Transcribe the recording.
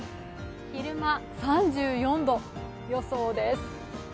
昼間、３４度予想です。